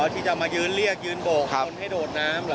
ที่จะมายืนเรียกยืนโบกคนให้โดดน้ำเหรอ